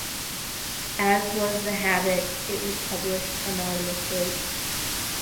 As was the habit, it was published anonymously.